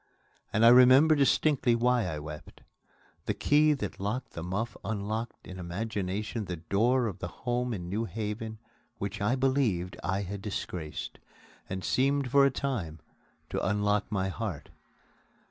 And I remember distinctly why I wept. The key that locked the muff unlocked in imagination the door of the home in New Haven which I believed I had disgraced and seemed for a time to unlock my heart.